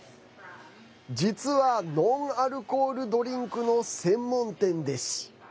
実は、ノンアルコールドリンクの専門店です。